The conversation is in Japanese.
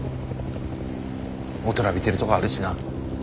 大人びてるとこあるしな。